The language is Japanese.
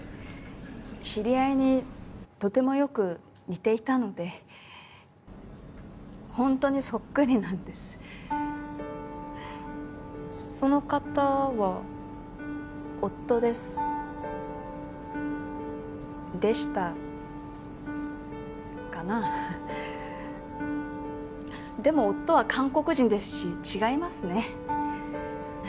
知り合いにとてもよく似ていたのでほんとにそっくりなんですへえその方は？夫ですでしたかなでも夫は韓国人ですし違いますね